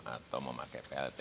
atau memakai plt